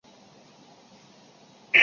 阿热人口变化图示